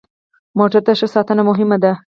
موټر ته ښه ساتنه مهمه ده.